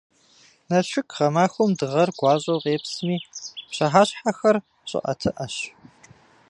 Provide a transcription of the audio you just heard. Налшык гъэмахуэм дыгъэр гуащӏэу къепсми, пщыхьэщхьэхэр щӏыӏэтыӏэщ.